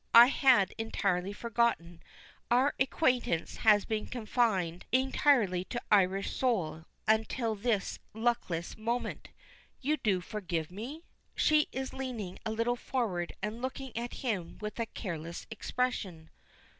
I had entirely forgotten, our acquaintance having been confined entirely to Irish soil until this luckless moment. You do forgive me?" She is leaning a little forward and looking at him with a careless expression.